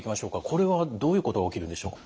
これはどういうことが起きるんでしょう？